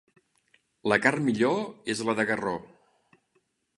La carn millor és la de garró.